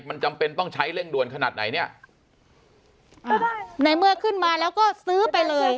มันจำเป็นต้องใช้เร่งด่วนขนาดไหนเนี้ยอ่าในเมื่อขึ้นมาแล้วก็ซื้อไปเลย